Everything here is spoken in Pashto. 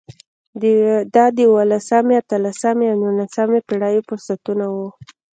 دا د اولسمې، اتلسمې او نولسمې پېړیو فرصتونه وو.